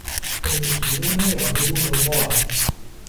المسلمون يعبدون الله.